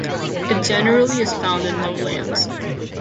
It generally is found in lowlands.